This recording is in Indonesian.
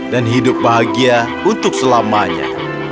dan hidup bahagia untuk selamanya